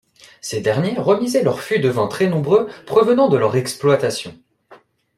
Ces deniers remisaient leurs fûts de vin très nombreux provenant de leurs exploitations.